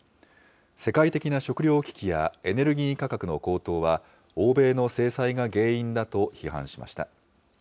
世界的な食料危機やエネルギー価格の高騰は、欧米の制裁が原因だと批判しました。